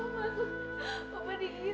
kake ngapain lagi kesini